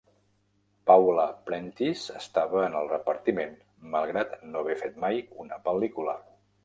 Paula Prentiss estava en el repartiment malgrat no haver fet mai una pel·lícula.